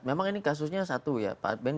memang ini kasusnya satu ya